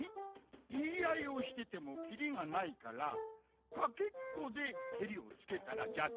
いいあいをしててもキリがないからかけっこでケリをつけたらじゃと？